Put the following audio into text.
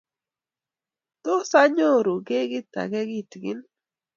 Tos anyor keki age kitigin?